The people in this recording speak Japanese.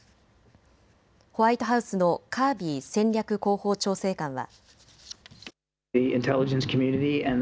ホワイトハウスのカービー戦略広報調整官は。